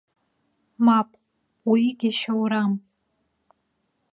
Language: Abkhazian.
Мап, уигьы шьоурам.